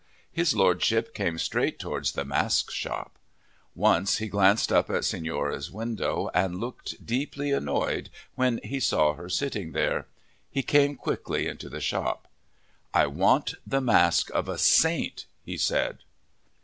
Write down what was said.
His Lordship came straight towards the mask shop. Once he glanced up at Signora's window and looked deeply annoyed when he saw her sitting there. He came quickly into the shop. "I want the mask of a saint," he said.